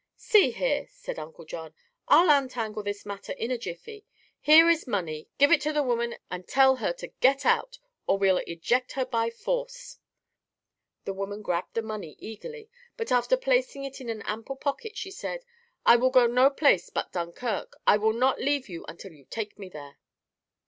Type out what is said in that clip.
"See here," said Uncle John, "I'll untangle this matter in a jiffy. Here is money; give it to the woman and tell her to get out or we'll eject her by force." The woman grabbed the money eagerly, but after placing it in an ample pocket she said: "I will go no place but Dunkirk. I will not leave you until you take me there."